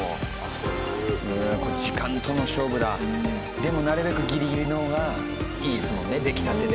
でもなるべくギリギリの方がいいですもんね出来たてで。